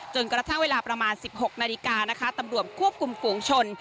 กระทั่งเวลาประมาณ๑๖นาฬิกานะคะตำรวจควบคุมฝูงชน